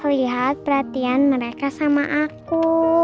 lihat perhatian mereka sama aku